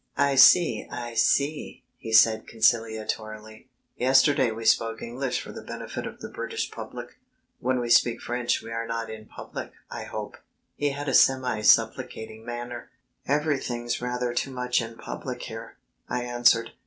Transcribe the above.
"I see, I see," he said conciliatorily. "Yesterday we spoke English for the benefit of the British public. When we speak French we are not in public, I hope." He had a semi supplicating manner. "Everything's rather too much in public here," I answered.